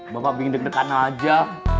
bapak bingit dekat dekat aja